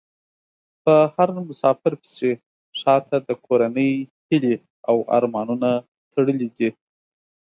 په هر مسافر پسې شا ته د کورنۍ هيلې او ارمانونه تړلي دي .